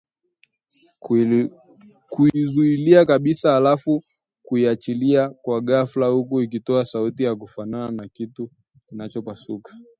kuizuilia kabisa halafu kuiachilia kwa ghafla huku ikitoa sauti ya kufanana na kitu kinachopasuka